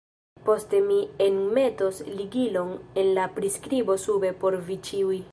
Poste mi enmetos ligilon en la priskribo sube por vi ĉiuj.